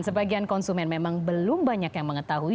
sebagian konsumen memang belum banyak yang mengetahui